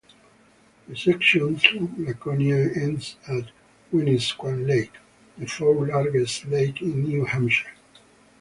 The section through Laconia ends at Winnisquam Lake, the fourth-largest lake in New Hampshire.